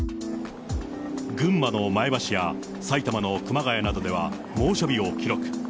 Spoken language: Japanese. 群馬の前橋や埼玉の熊谷などでは猛暑日を記録。